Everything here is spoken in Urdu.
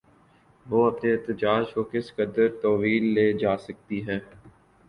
وہ اپنے احتجاج کو کس قدر طویل لے جا سکتی ہے؟